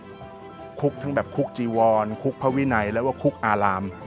ว่าในคุกคุกทั้งแบบคุกจีวรคุกภาวินัยและว่าคุกอาราม